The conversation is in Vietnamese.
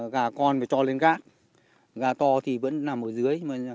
gà con phải cho lên gác gà to thì vẫn nằm ở dưới